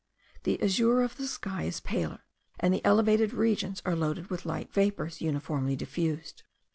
The azure of the sky is paler, and the elevated regions are loaded with light vapours, uniformly diffused.